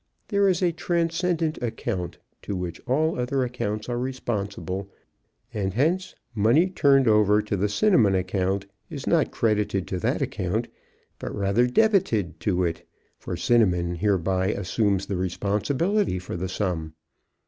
There is a transcendent Account, to which all other accounts are responsible, and hence money turned over to the Cinnamon Account is not credited to that account, but rather debited to it, for Cinnamon hereby assumes the responsibility for the sum.